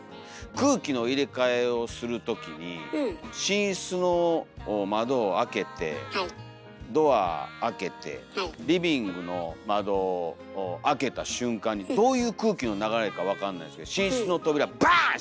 空気の入れ替えをする時に寝室の窓を開けてドア開けてリビングの窓を開けた瞬間にどういう空気の流れか分かんないですけど寝室の扉バン！